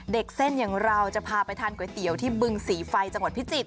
เส้นอย่างเราจะพาไปทานก๋วยเตี๋ยวที่บึงศรีไฟจังหวัดพิจิตร